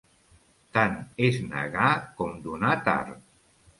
Tant és negar com donar tard.